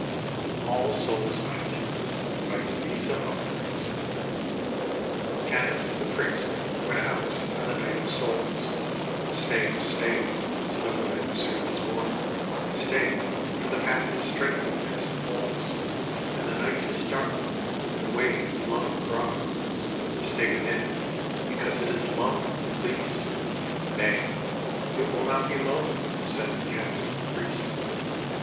ALL SOULS' NIGHT : louisa Humphreys Canicc the priest went out on the Night of Souls; " Stay, oh stay," said the woman who served his board ;" Stay, for the path is strait with pits and holes, And the night is dark and the way is lone abroad; Stay within because it is lone, at least." " Nay, it will not be lone," said Canice the priest.